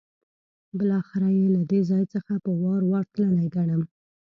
بالاخره یې له دې ځای څخه په وار وار تللی ګڼم.